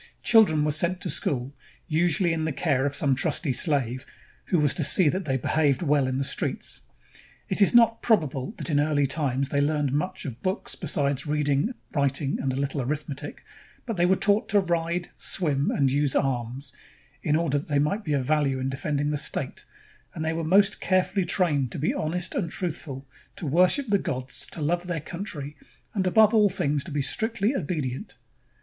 Children were sent to school, usually in the care of some trusty slave who was to see that they behaved well in the streets. It is not probable that in early times they learned much of books besides reading, writing, and a little arithmetic; but they were taught to ride, swim, and use arms, in order that they might be of value in defending the state, and they were most carefully trained to be honest and truthful, to worship the gods, to love their country, and above all things to be strictly obedient.